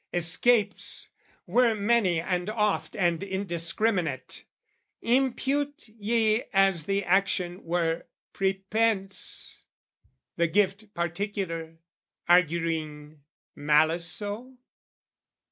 escapes Were many and oft and indiscriminate Impute ye as the action were prepense, The gift particular, arguing malice so?